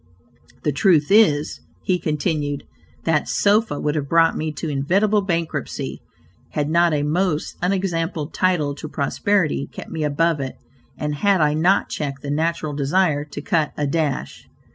The truth is," he continued, "that sofa would have brought me to inevitable bankruptcy, had not a most unexampled title to prosperity kept me above it, and had I not checked the natural desire to 'cut a dash'."